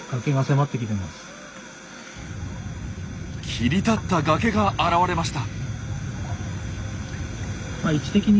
切り立った崖が現れました。